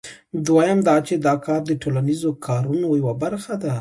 دویم دا چې دا کار د ټولنیزو کارونو یوه برخه ده